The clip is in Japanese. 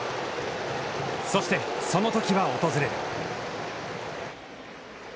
そして、そのときは訪れる。